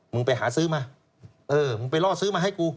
ไปหาซื้อมาเออมึงไปล่อซื้อมาให้กู